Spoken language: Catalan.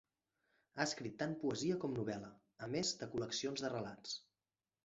Ha escrit tant poesia com novel·la, a més de col·leccions de relats.